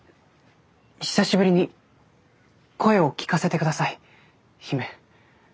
久しぶりに声を聞かせて下さい姫。